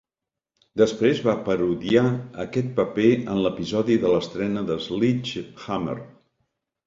Després va parodiar aquest paper en l'episodi de l'estrena de Sledge Hammer!